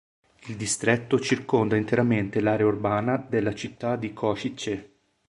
Il distretto circonda interamente l'area urbana della città di Košice.